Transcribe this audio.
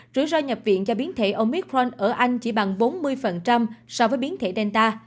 rủi ro nhập viện cho biến thể omicron ở anh chỉ bằng bốn mươi so với biến thể delta